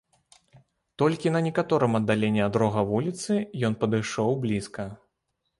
Толькі на некаторым аддаленні ад рога вуліцы ён падышоў блізка.